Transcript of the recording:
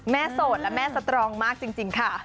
โสดและแม่สตรองมากจริงค่ะ